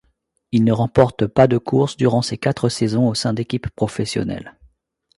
Il ne remporte pas de course durant ses quatre saisons au sein d'équipes professionnelles.